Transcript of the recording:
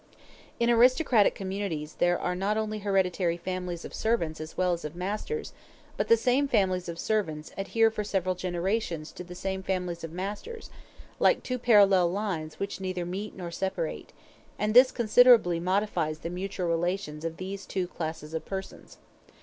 In aristocratic communities there are not only hereditary families of servants as well as of masters, but the same families of servants adhere for several generations to the same families of masters (like two parallel lines which neither meet nor separate); and this considerably modifies the mutual relations of these two classes of persons.